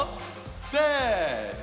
せの！